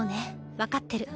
分かってる。